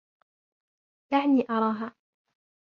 دعني أراها.